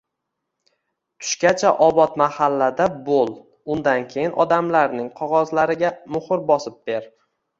Tushgacha Obod mahallada bo`l, undan keyin odamlarning qog`ozlariga muhr bosib ber